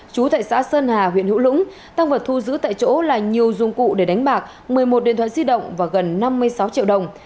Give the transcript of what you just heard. chú tại xã sơn hà huyện hữu lũng tăng vật thu giữ tại chỗ là nhiều dụng cụ để đánh bạc một mươi một điện thoại di động và gần năm mươi sáu triệu đồng